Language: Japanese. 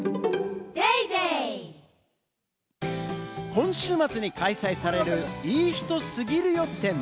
今週末に開催される、いい人すぎるよ展。